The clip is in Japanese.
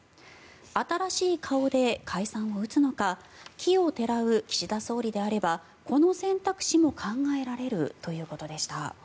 新しい顔で解散を打つのか奇をてらう岸田総理であればこの選択肢も考えられるということでした。